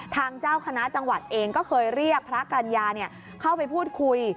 ทางเจ้าคณะจังหวัดเองก็เคยเรียกพระกรรณญาเข้าไปพูดคุย